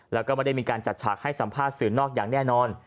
แล้วก็ไม่ได้มีการจัดฉากให้สัมภาษณ์สื่อนอกอย่างแน่นอน